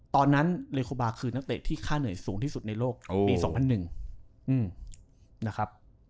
ตอนนั้นเลโคบาคือนักเตะที่ค่าเหนื่อยสูงที่สุดในโลกปี๒๐๐๑นะครับ